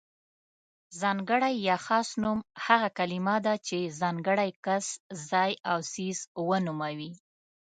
ځانګړی يا خاص نوم هغه کلمه ده چې ځانګړی کس، ځای او څیز ونوموي.